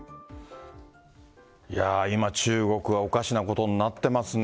いやー、今、中国はおかしなことになってますね。